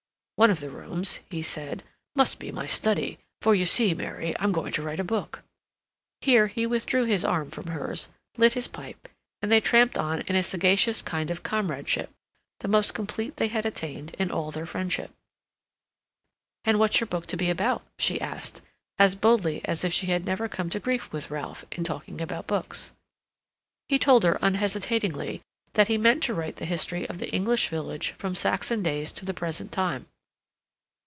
"One of the rooms," he said, "must be my study, for, you see, Mary, I'm going to write a book." Here he withdrew his arm from hers, lit his pipe, and they tramped on in a sagacious kind of comradeship, the most complete they had attained in all their friendship. "And what's your book to be about?" she said, as boldly as if she had never come to grief with Ralph in talking about books. He told her unhesitatingly that he meant to write the history of the English village from Saxon days to the present time.